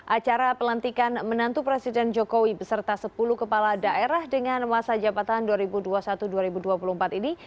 acara pelantikan menantu presiden jokowi beserta sepuluh kepala daerah dengan masa jabatan dua ribu dua puluh satu dua ribu dua puluh empat ini